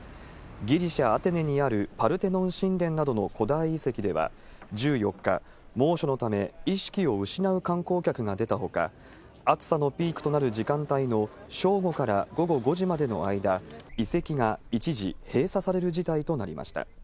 ギリシャ・アテネにあるパルテノン神殿などの古代遺跡では１４日、猛暑のため意識を失う観光客が出たほか、暑さのピークとなる時間帯の正午から午後５時までの間、遺跡が一時閉鎖される事態となりました。